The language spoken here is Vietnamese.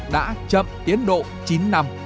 đã chậm tiến độ chín năm